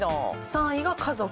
３位が家族。